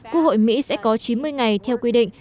quốc hội mỹ sẽ có chín mươi ngày theo quy định